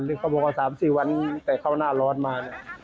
เขาบอกว่า๓๔วันแต่เข้าหน้าร้อนมา